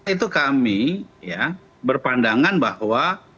itu kami berpandangan bahwa